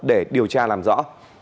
để điều tra làm rõ